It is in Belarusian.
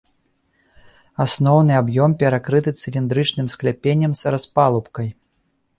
Асноўны аб'ём перакрыты цыліндрычным скляпеннем з распалубкай.